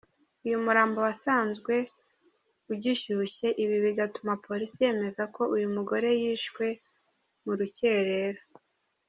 Uyu murambo wasanzwe ugishyushye ibi bigatuma polisi yemeza ko uyu mugore yishwe mu rukerera.